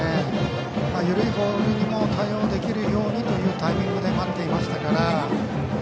緩いボールにも対応できるようにというタイミングで待っていましたから。